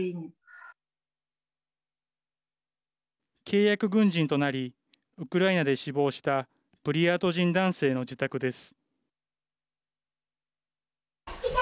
契約軍人となりウクライナで死亡したブリヤート人男性の自宅です。